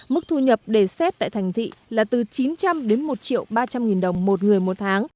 mức thu nhập để xét tại thành thị là từ chín trăm linh đến một ba trăm linh nghìn đồng một người một tháng